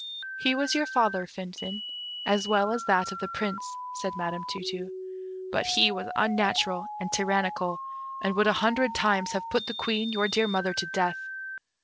"He was your father, Finfin, as well as that of the Prince," said Madam Tu tu; "but he was unnatural and tyrannical, and would a hundred times have put the Queen, your dear mother, to death.